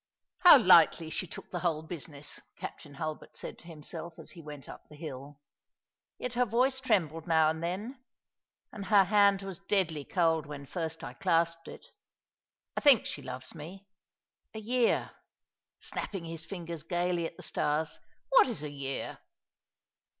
"How lightly she took the whole business," Captain Hulbcrt said to himself as he went up the hill. " Yet her Yoice trembled now and then — and her hand was deadly cold when first I clasped it I think she loves me. A year," — snapping his fingers gaily at the stars —" what is a year